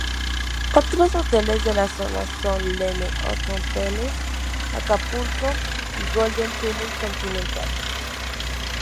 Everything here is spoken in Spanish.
Otros hoteles de la zona son Leme Othon Palace, Acapulco y Golden Tulip Continental.